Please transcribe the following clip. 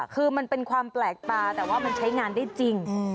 คือมันเป็นความแปลกตาแต่ว่ามันใช้งานได้จริง